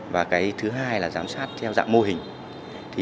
và thứ hai là giám sát theo dạng mô hình